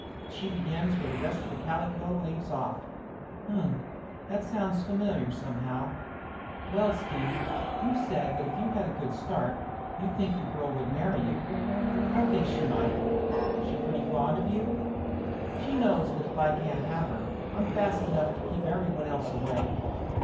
She begins where the rest of the calico leaves off." "H m! that sounds familiar, somehow. Well, Steve, you've said that if you had a good start you think the girl would marry you." "I think she might." "She pretty fond of you?" "She knows that if I can't have her I'm fast enough to keep everyone else away."